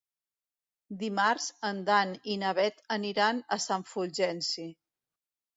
Dimarts en Dan i na Bet aniran a Sant Fulgenci.